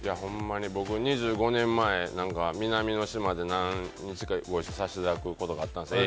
僕、２５年前南の島で何日かご一緒させていただくことがあったんですよ